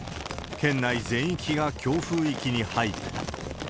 県内全域が強風域に入った。